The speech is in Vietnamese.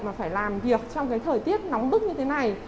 mà phải làm việc trong cái thời tiết nóng bức như thế này